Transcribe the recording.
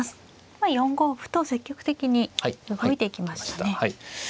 今４五歩と積極的に動いていきましたね。